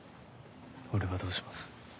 俺はどうします？